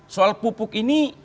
soal pupuk ini